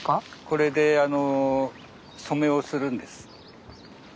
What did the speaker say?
これで染めをするんです。